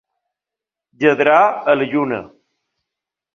Lladrar a la lluna.